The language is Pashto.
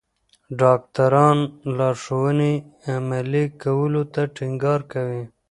ډاکټران لارښوونې عملي کولو ته ټینګار کوي.